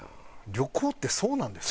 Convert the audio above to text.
旅行ってそうなんですか？